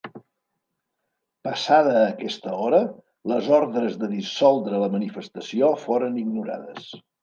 Passada aquesta hora, les ordres de dissoldre la manifestació foren ignorades.